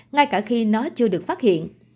ngay cả khi nó chưa được phát hiện